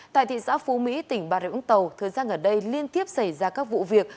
tại thị xã phú mỹ tỉnh bà rịa úng tàu thời gian ở đây liên tiếp xảy ra các vụ việc